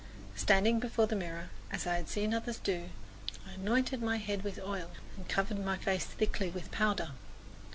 Standing before the mirror, as I had seen others do, I anointed mine head with oil and covered my face thickly with powder.